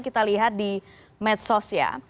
kita lihat di medsos ya